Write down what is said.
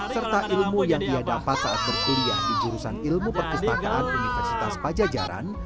serta ilmu yang ia dapat saat berkuliah di jurusan ilmu perpustakaan universitas pajajaran